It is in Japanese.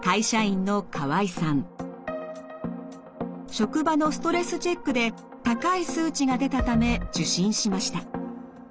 職場のストレスチェックで高い数値が出たため受診しました。